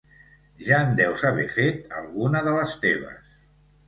Ja en deus haver fet alguna de les teves?